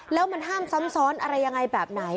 แล้วมันห้ามซ้ำซ้อนอะไรยังไงแบบไหน